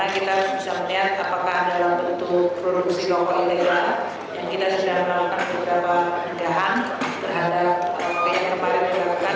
kita harus bisa melihat apakah dalam bentuk produksi rokok ilegal yang kita sudah melakukan beberapa perjalanan terhadap penyelamatan